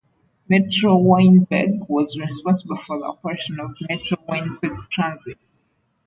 Metro Winnipeg was responsible for the operation of Metro Winnipeg Transit.